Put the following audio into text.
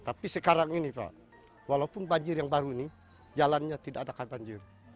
tapi sekarang ini pak walaupun banjir yang baru ini jalannya tidak ada banjir